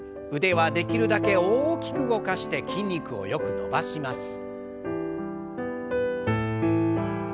腕はできるだけ大きく動かして筋肉をよく伸ばします。